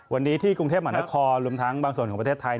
วันนี้ที่กรุงเทพมหานครรวมทั้งบางส่วนของประเทศไทย